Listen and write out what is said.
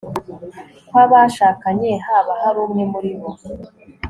kw abashakanye haba hari umwe muri bo